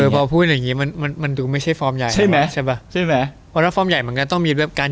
พอพูดแบบนี้น่ะดูไม่ใช่ฟอร์มใหญ่ต่อสิกว่า